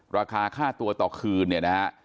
ราคาค่าตัวต่อคืนเนี่ยนะฮะ